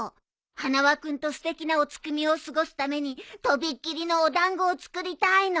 花輪君とすてきなお月見を過ごすためにとびっきりのお団子を作りたいの。